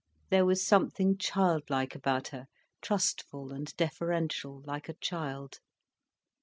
There was something childlike about her, trustful and deferential, like a child.